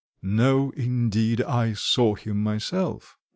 "No, indeed, I saw him myself."